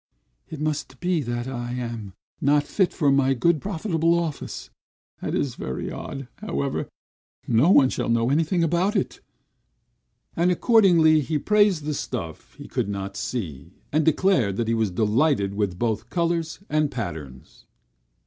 "It must be, that I am not fit for my good, profitable office! That is very odd; however, no one shall know anything about it." And accordingly he praised the stuff he could not see, and declared that he was delighted with both colors and patterns.